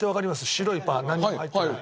白いパン何も入ってない。